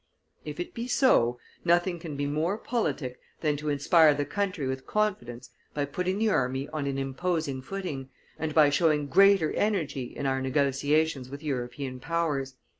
If it be so, nothing can be more politic than to inspire the country with confidence by putting the army on an imposing footing, and by showing greater energy in our negotiations with European powers.